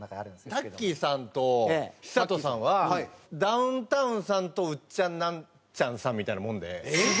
タッキーさんと寿人さんはダウンタウンさんとウッチャンナンチャンさんみたいなもんで。